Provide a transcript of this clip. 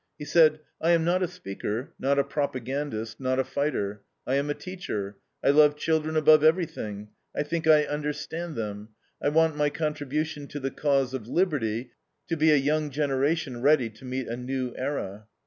He said: "I am not a speaker, not a propagandist, not a fighter. I am a teacher; I love children above everything. I think I understand them. I want my contribution to the cause of liberty to be a young generation ready to meet a new era."